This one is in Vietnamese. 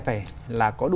phải là có đủ